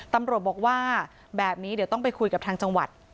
ตำรวจบอกว่าแบบนี้เดี๋ยวต้องไปคุยกับทางจังหวัด